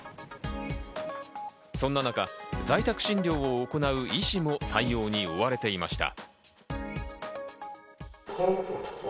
そんな中、在宅診療を行う医師も対応に追われていました。